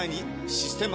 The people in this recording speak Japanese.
「システマ」